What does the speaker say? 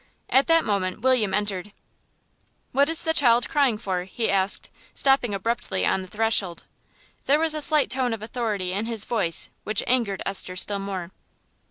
At that moment William entered. "What is the child crying for?" he asked, stopping abruptly on the threshold. There was a slight tone of authority in his voice which angered Esther still more.